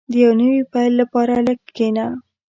• د یو نوي پیل لپاره لږ کښېنه.